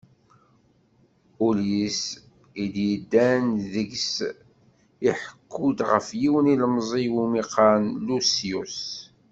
Ullis i d-yeddan deg-s iḥekku-d ɣef yiwen ilemẓi iwumi qqaren Lusyus.